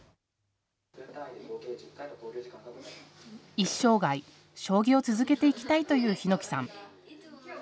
一生涯、将棋を続けていきたいという檜さん。